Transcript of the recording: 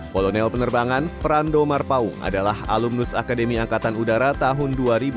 kolonel penerbangan frando marpaung adalah alumnus akademi angkatan udara tahun dua ribu dua puluh